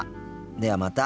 ではまた。